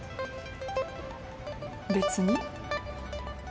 別に。